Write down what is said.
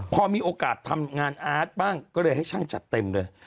พอมีโอกาสทำงานอาร์ตบ้างก็เลยให้ช่างจัดเต็มเลย